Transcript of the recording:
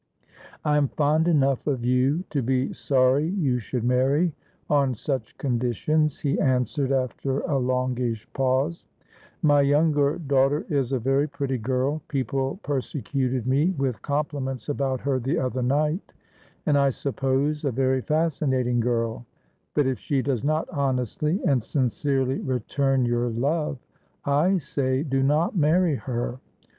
' I am fond enough of you to be sorry you should marry on such conditions,' he answered, after a longish pause. 'My younger daughter is a very pretty girl — people persecuted me with compliments about her the other night — and, I suppose, a very fascinating girl ; but if she does not honestly and sincerely return your love, I say. Do not marry her.